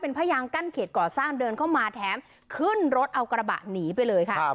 พยางกั้นเขตก่อสร้างเดินเข้ามาแถมขึ้นรถเอากระบะหนีไปเลยค่ะ